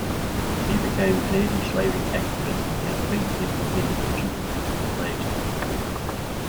He became an anti-slavery activist and frequently defended fugitive slaves in court.